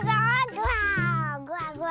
ぐわぐわ。